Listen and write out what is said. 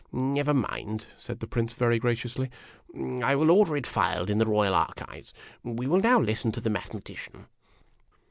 " Never mind," said the Prince, very graciously. " I will order it filed in the Royal Archives. We will now listen to the Mathe matician."